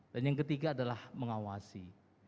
dan yang ketiga adalah mengawasi